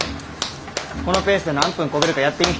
このペースで何分こげるかやってみ。